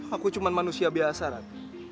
aku cuma manusia biasa kan